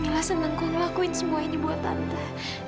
mila senang aku ngelakuin semuanya buat tante